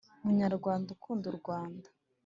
munyarwanda ukunda u rwanda